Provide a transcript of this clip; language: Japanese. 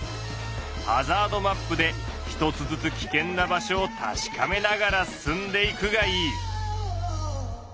ハザードマップで一つずつ危険な場所をたしかめながら進んでいくがいい！